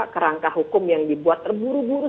kerangka hukum yang dibuat terburu buru